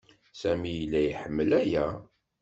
Sami yella iḥemmel-aya.